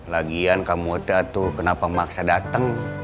lagian kamu oteh tuh kenapa maksa dateng